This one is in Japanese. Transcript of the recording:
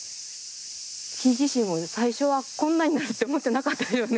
木自身も最初はこんなになるって思ってなかったよね